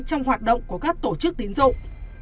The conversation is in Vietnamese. trong hoạt động của các tổ chức tín dụng